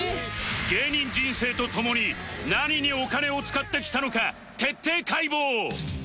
芸人人生とともに何にお金を使ってきたのか徹底解剖！